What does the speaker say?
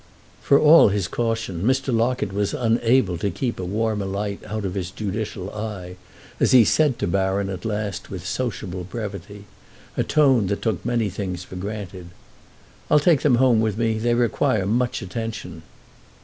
For all his caution Mr. Locket was unable to keep a warmer light out of his judicial eye as he said to Baron at last with sociable brevity—a tone that took many things for granted: "I'll take them home with me—they require much attention."